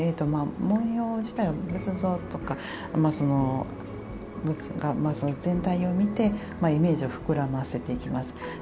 文様自体は仏像とか全体を見てイメージを膨らませていきます。